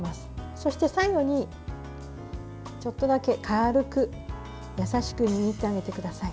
そして、最後にちょっとだけ軽く優しく握ってあげてください。